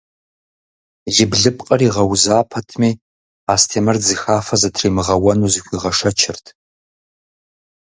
И блыпкъыр игъэуза пэтми, Астемыр дзыхафэ зытримыгъэуэну зыхуигъэшэчырт.